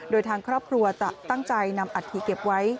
โดยทางครอบครัวจะตั้งใจนำอัฐิเก็บไว้